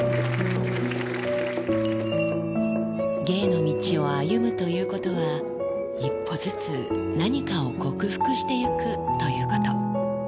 芸の道を歩むということは、一歩ずつ、何かを克服していくということ。